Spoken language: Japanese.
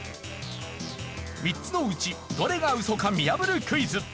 ３つのうちどれがウソか見破るクイズ。